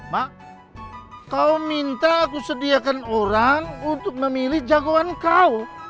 mak kaum minta aku sediakan orang untuk memilih jagoan kau